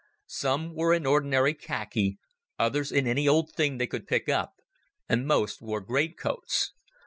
Some were in ordinary khaki, others in any old thing they could pick up, and most wore greatcoats.